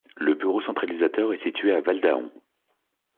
Le bureau centralisateur est situé à Valdahon.